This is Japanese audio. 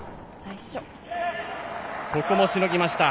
ここもしのぎました。